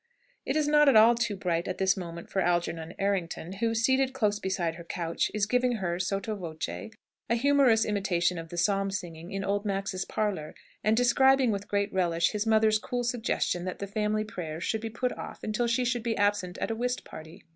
It is not at all too bright at this moment for Algernon Errington, who, seated close beside her couch, is giving her, sotto voce, a humorous imitation of the psalm singing in old Max's parlour; and describing, with great relish, his mother's cool suggestion that the family prayers should be put off until she should be absent at a whist party.